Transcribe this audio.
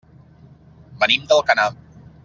Venim d'Alcanar.